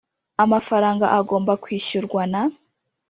Amafaranga agomba kwishyurwa na